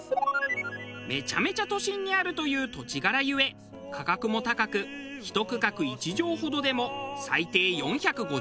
めちゃめちゃ都心にあるという土地柄ゆえ価格も高く１区画１帖ほどでも最低４５０万円。